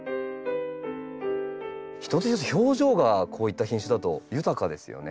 一つ一つ表情がこういった品種だと豊かですよね。